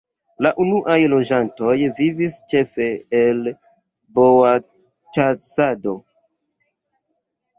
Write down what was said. La unuaj loĝantoj vivis ĉefe el boacĉasado.